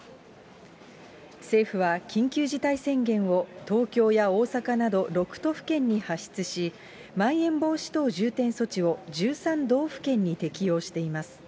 政府は、緊急事態宣言を東京や大阪など６都府県に発出し、まん延防止等重点措置を１３道府県に適用しています。